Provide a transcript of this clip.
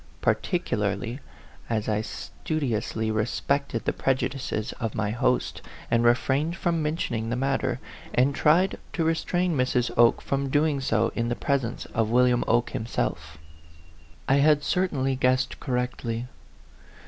particularly, as I studiously respected the prejudices of my host, and refrained from mentioning the mat ter, and tried to restrain Mrs. Oke from doing so, in the presence of William Oke himself? 48 A PHANTOM LOVER. I had certainly guessed correctly.